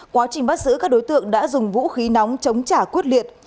quá trình bắt giữ các đối tượng đã dùng vũ khí nóng chống trả quyết liệt